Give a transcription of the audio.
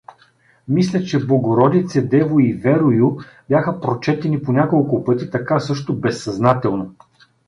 Мисля, че „Богородице дево“ и „Верую“ бяха прочетени по няколко пъти, така също безсъзнателно.